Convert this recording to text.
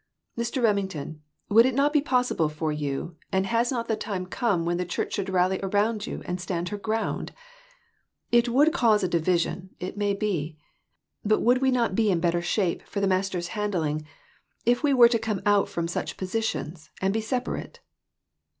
Mr. Remington, would it not be possi ble for you, and has not the time come when the church should rally around you and stand her ground ? It would cause a division, it may be ; but would we not be in better shape for the Mas ter's handling if we were to come out from such positions, and be separate?"